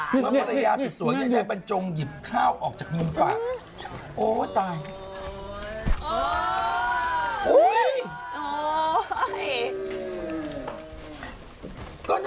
เรื่องเรียกได้ว่าคู่หลายปลามาจริงวันรธยากับพุทธพุทธอุทิศัยเกษดสิน